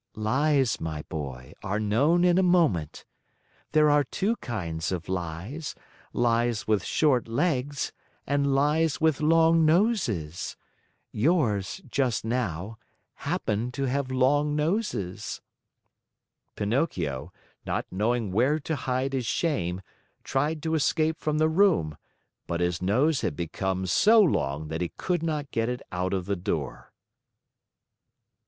"Lies, my boy, are known in a moment. There are two kinds of lies, lies with short legs and lies with long noses. Yours, just now, happen to have long noses." Pinocchio, not knowing where to hide his shame, tried to escape from the room, but his nose had become so long that he could not get it out of the door.